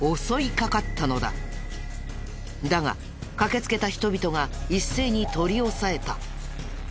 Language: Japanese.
だが駆けつけた人々が一斉に取り押さえた。